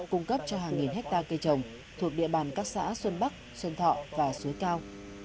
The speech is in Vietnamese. cung cấp cho hàng nghìn hectare cây trồng thuộc địa bàn các xã xuân bắc xuân thọ và suối cao